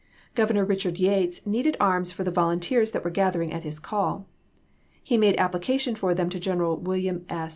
Governor Eichard Yates needed arms for the volunteers that were gathering at his call. He made application for them to Gen eral William S.